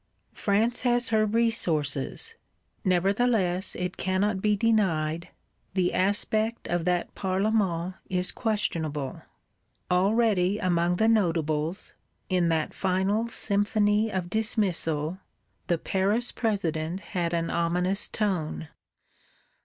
France has her resources: nevertheless, it cannot be denied, the aspect of that Parlement is questionable. Already among the Notables, in that final symphony of dismissal, the Paris President had an ominous tone.